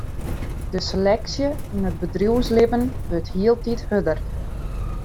De seleksje yn it bedriuwslibben wurdt hieltyd hurder.